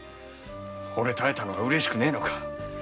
おれと会えたのがうれしくねえのか！